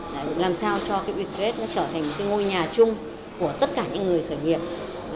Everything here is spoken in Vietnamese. là làm sao cho cái we create nó trở thành một cái ngôi nhà chung của tất cả những người khởi nghiệp